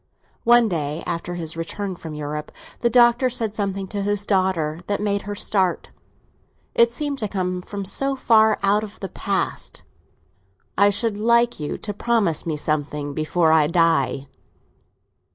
One day, after his return from Europe, the Doctor said something to his daughter that made her start—it seemed to come from so far out of the past. "I should like you to promise me something before I die."